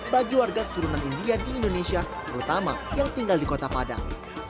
bagi warga keturunan india di indonesia terutama yang tinggal di kota padang